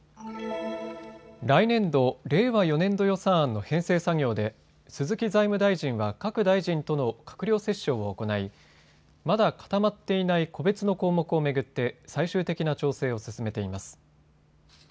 来年度・令和４年度予算案の編成作業で鈴木財務大臣は各大臣との閣僚折衝を行いまだ固まっていない個別の項目を巡って最終的な調整を進めています。